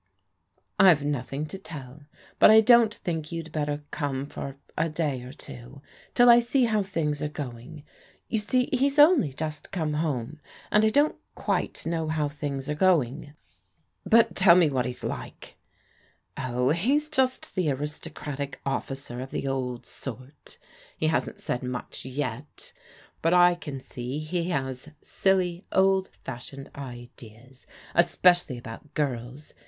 "" I've nothing to tell ; but I don't think you'd better come for a day or two till I see how things are going. You see he's only just come home, and I don't quite know how things are going." " But tell me what he's like." Oh, he's just the aristocratic officer of the old sort* He ha^t said much ytt, hut I can see he has sWVy , o\^ 80 PRODIGAL DAUGHTERS fashioned ideas, especially about girls.